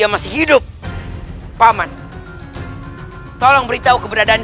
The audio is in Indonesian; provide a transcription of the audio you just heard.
aku harus menghentikan mereka